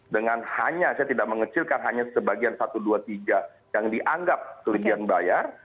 dengan hanya saya tidak mengecilkan hanya sebagian satu dua tiga yang dianggap kelebihan bayar